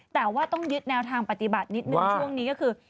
แต่ว่าต้องยึดแนวทางปฏิบัตินิดนึงช่วงนี้ก็คือ